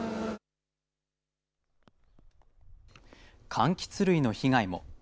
かんきつ類の被害も。